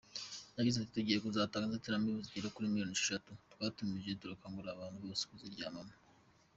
Yagize ati “Tugiye kuzatanga inzitiramibu zigera kuri miliyoni esheshatu twatumije, turakangurira abantu bose kuziryamamo.